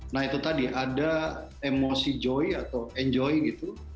nah itu tadi ada emosi joy atau enjoy gitu